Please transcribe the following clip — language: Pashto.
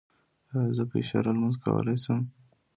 ایا زه په اشاره لمونځ کولی شم؟